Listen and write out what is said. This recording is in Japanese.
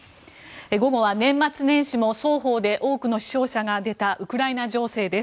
午後は年末年始も双方で多くの死傷者が出たウクライナ情勢です。